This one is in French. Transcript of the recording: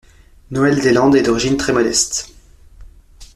Noël des Landes est d'origine très modeste.